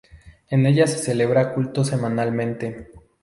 En ella se celebra culto semanalmente.